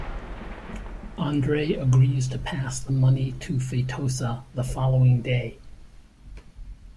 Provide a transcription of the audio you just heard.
André agrees to pass the money to Feitosa the following day.